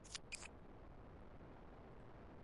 Cartografía del Instituto Geográfico Nacional